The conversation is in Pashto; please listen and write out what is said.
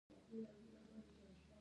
د دغو توکو سوداګر خریېلي مخونه اچوي.